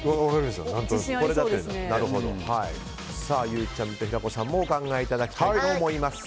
ゆうちゃみと平子さんもお考えいただきたいと思います。